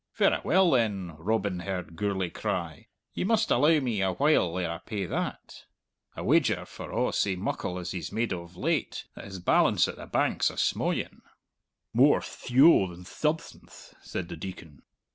'Verra well then,' Robin heard Gourlay cry, 'you must allow me a while ere I pay that!' I wager, for a' sae muckle as he's made of late, that his balance at the bank's a sma' yin." "More thyow than thubstanth," said the Deacon.